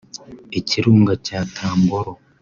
Ikirunga cya Tambora